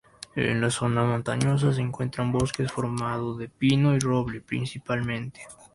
En la zona montañosa se encuentran bosques formado de pino y roble principalmente.